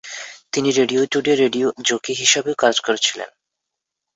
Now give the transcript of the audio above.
তিনি Radio Today radio jockey হিসাবেও কাজ করেছিলেন।